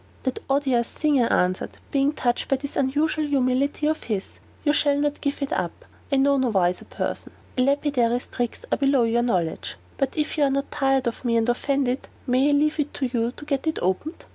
"That odious thing!" I answered, being touched by this unusual humility of his; "you shall not give it up; and I know no wiser person. A lapidary's tricks are below your knowledge. But if you are not tired of me and offended, may I leave it to you to get it opened?"